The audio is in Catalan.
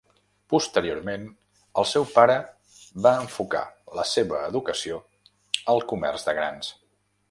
Posteriorment, el seu pare va enfocar la seva educació al comerç de grans.